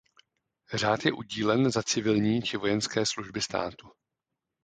Řád je udílen za civilní či vojenské služby státu.